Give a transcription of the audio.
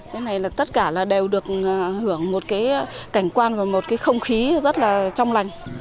cái này là tất cả là đều được hưởng một cái cảnh quan và một cái không khí rất là trong lành